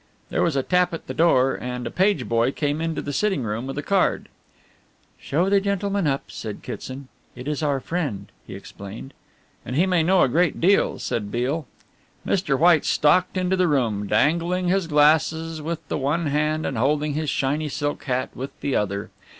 There was a tap at the door and a page boy came into the sitting room with a card. "Show the gentleman up," said Kitson; "it is our friend," he explained. "And he may know a great deal," said Beale. Mr. White stalked into the room dangling his glasses with the one hand and holding his shiny silk hat with the other.